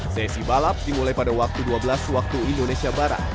sesi balap dimulai pada waktu dua belas waktu indonesia barat